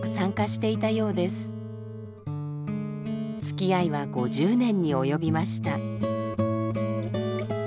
つきあいは５０年に及びました。